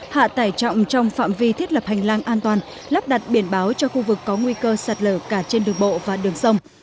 hạ tải trọng trong phạm vi thiết lập hành lang an toàn lắp đặt biển báo cho khu vực có nguy cơ sạt lở cả trên đường bộ và đường sông